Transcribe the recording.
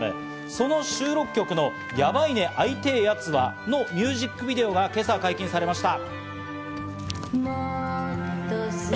その収録曲の『ヤバいね愛てえ奴は』のミュ−ジックビデオが今朝、解禁されました。